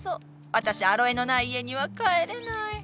私アロエのない家には帰れない。